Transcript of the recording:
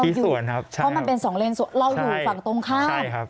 อ๋อคิดส่วนครับเพราะมันเป็นสองเลนส์เราอยู่ฝั่งตรงข้าม